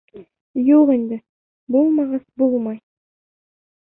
Юҡ инде, булмағас, булмай.